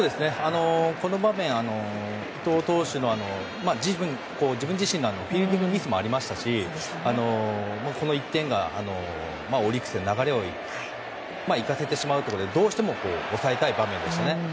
この場面、伊藤投手の自分自身のフィールディングミスもありましたしこの１点がオリックスに流れをいかせてしまうということでどうしても抑えたい場面でしたね。